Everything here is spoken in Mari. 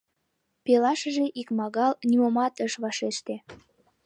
Пелашыже икмагал нимомат ыш вашеште.